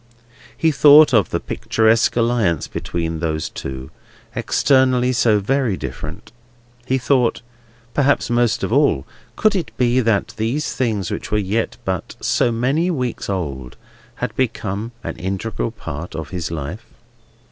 He thought of the picturesque alliance between those two, externally so very different. He thought—perhaps most of all—could it be that these things were yet but so many weeks old, and had become an integral part of his life?